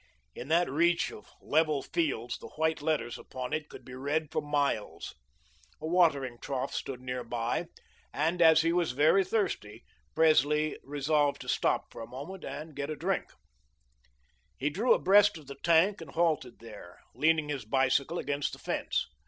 In that reach of level fields, the white letters upon it could be read for miles. A watering trough stood near by, and, as he was very thirsty, Presley resolved to stop for a moment to get a drink. He drew abreast of the tank and halted there, leaning his bicycle against the fence.